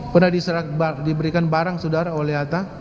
pernah diberikan barang sudara oleh hatta